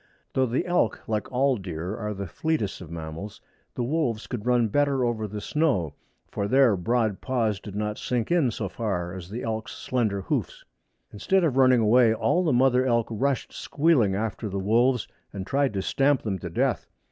Though the elk, like all deer, are the fleetest of mammals, the wolves could run better over the snow, for their broad paws did not sink in so far as the elk's slender hoofs. Instead of running away all the mother elk rushed squealing after the wolves and tried to stamp them to death.